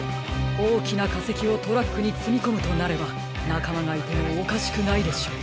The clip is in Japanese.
おおきなかせきをトラックにつみこむとなればなかまがいてもおかしくないでしょう。